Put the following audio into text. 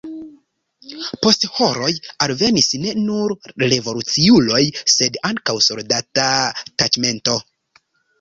Post horoj alvenis ne nur revoluciuloj, sed ankaŭ soldata taĉmento.